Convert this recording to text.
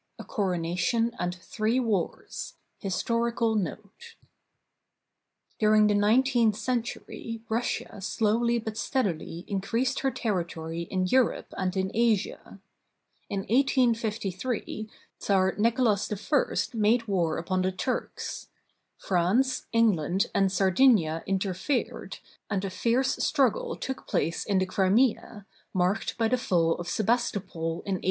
VII A CORONATION AND THREE WARS HISTORICAL NOTE During the nineteenth century Russia slowly but steadily increased her territory in Europe and in Asia. In 1853, Czar Nicholas I made war upon the Turks. France, England, and Sardinia interfered, and a fierce struggle took place in the Crimea, marked by the fall of Sebastopol in 1855.